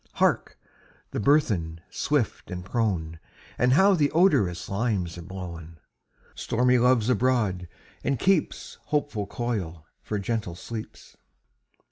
Hark! the burthen, swift and prone! And how the odorous limes are blown! Stormy Love's abroad, and keeps Hopeful coil for gentle sleeps.